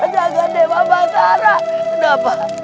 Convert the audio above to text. jangan dewa batara